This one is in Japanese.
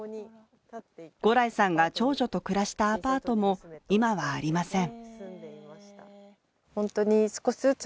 牛来さんが長女と暮らしたアパートも今はありません。